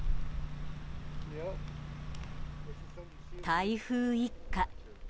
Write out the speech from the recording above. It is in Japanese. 台風一過。